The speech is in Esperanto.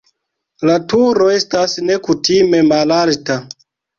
La turo estas nekutime malalta.